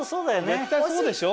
絶対そうでしょ？